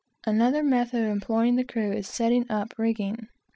Another method of employing the crew is, "setting up" rigging.